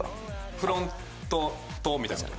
フロントとみたいなこと？